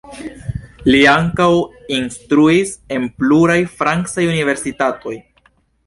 Li ankaŭ instruis en pluraj francaj universitatoj.